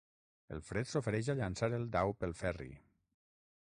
El Fred s'ofereix a llançar el dau pel Ferri.